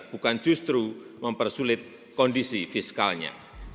bukan justru mempersulit kondisi fiskalnya